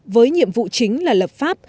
với nhiệm vụ chính là lập pháp